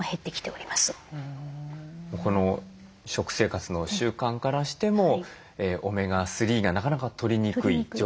この食生活の習慣からしてもオメガ３がなかなかとりにくい状況にあると？